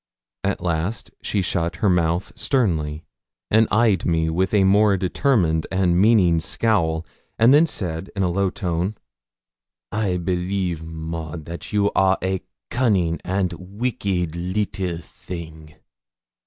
At last she shut her mouth sternly, and eyes me with a more determined and meaning scowl, and then said in a low tone 'I believe, Maud, that you are a cunning and wicked little thing.'